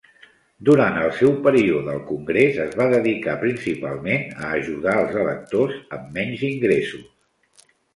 Durant el seu període al congrés, es va dedicar principalment a ajudar als electors amb menys ingressos.